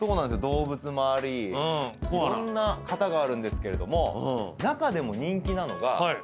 動物もありいろんな型があるんですけれども中でも人気なのがこちらの。